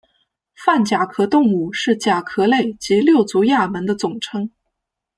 泛甲壳动物是甲壳类及六足亚门的总称。